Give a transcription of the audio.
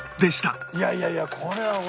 いやいやいやこれは俺。